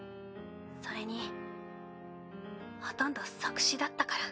それにほとんど即死だったから。